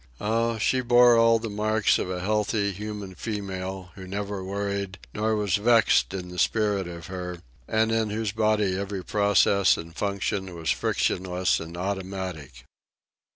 Oh, she bore all the marks of the healthy, human female, who never worried nor was vexed in the spirit of her, and in whose body every process and function was frictionless and automatic.